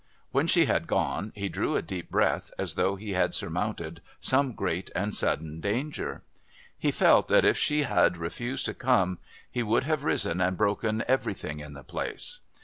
When she had gone he drew a deep breath, as though he had surmounted some great and sudden danger. He felt that if she had refused to come he would have risen and broken everything in the place.